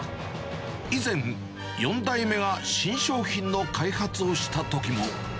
以前、４代目が新商品の開発をしたときも。